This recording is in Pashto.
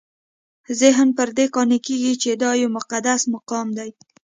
ذهن پر دې قانع کېږي چې دا یو مقدس مقام دی.